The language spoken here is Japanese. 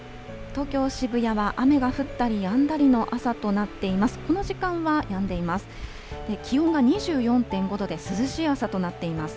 東京、渋谷は雨が降ったりやんだりの朝となっています。